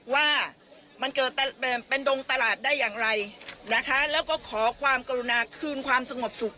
ว่ามันเกิดเป็นดงตลาดได้อย่างไรนะคะแล้วก็ขอความกรุณาคืนความสงบสุข